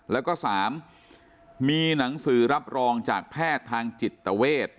แล้วก็๓มีหนังสือรับรองจากแพทย์ทางจิตเวท